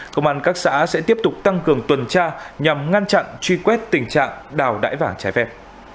công an các xã sẽ tiếp tục tăng cường tuần tra nhằm ngăn chặn truy quét tình trạng đào đải vàng trái phép